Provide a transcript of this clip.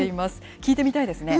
聴いてみたいですね。